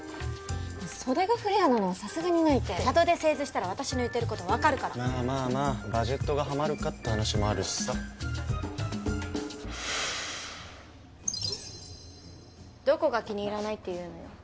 袖がフレアなのはさすがにないってＣＡＤで製図したら私の言ってること分かるからまぁまぁまぁバジェットがはまるかって話もあるしさどこが気に入らないっていうのよ